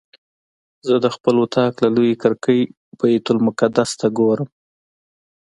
زه د خپل اطاق له لویې کړکۍ بیت المقدس ته ګورم.